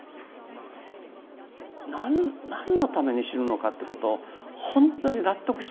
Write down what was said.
何のために死ぬのかっていうことを本当に納得したかった。